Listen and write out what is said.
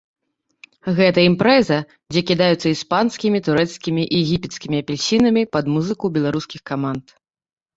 Гэта імпрэза, дзе кідаюцца іспанскімі, турэцкімі і егіпецкімі апельсінамі пад музыку беларускіх каманд.